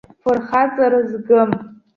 Фырхаҵара згым.